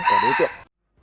của đối tượng